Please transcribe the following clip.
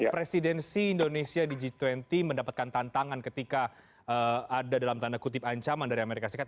presidensi indonesia di g dua puluh mendapatkan tantangan ketika ada dalam tanda kutip ancaman dari amerika serikat